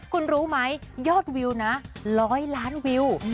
คุณรู้ไหมยอดวิวนะ๑๐๐ล้านวิว